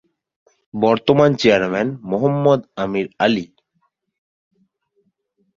বর্তমান চেয়ারম্যান- মোহাম্মদ আমির আলী